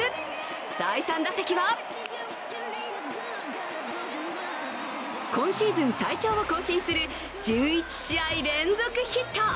第３打席は今シーズン最長を更新する１１試合連続ヒット。